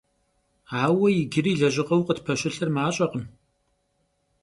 Aue yicıri lejığeu khıtpeşıtır maş'ekhım.